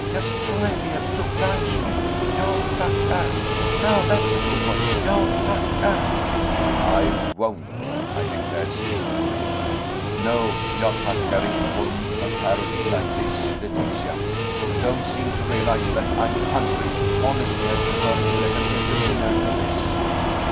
Just try, dear, to oblige me. Jag tackar. Now, that's a good boy, jag tackar." "I won't," I declared spitefully. "No _jag tackar_ing for a parody like this, Letitia. You don't seem to realize that I'm hungry. Honestly, I prefer a delicatessen dinner to this."